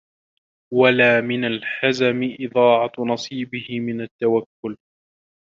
وَلَا مِنْ الْحَزْمِ إضَاعَةُ نَصِيبِهِ مِنْ التَّوَكُّلِ